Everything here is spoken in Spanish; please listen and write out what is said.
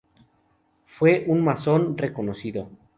Fue un masón reconocido.